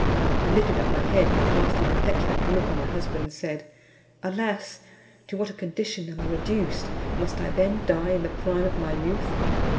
I lifted up my head, and casting an affectionate look on my husband, said, "Alas! to what a condition am I reduced! must I then die in the prime of my youth!"